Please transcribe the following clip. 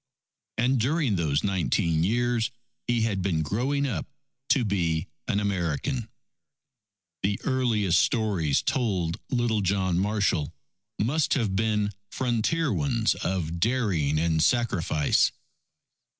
And during those nineteen years he had been growing up to be an American. The earliest stories told little John Marshall must have been frontier ones of daring and sacrifice.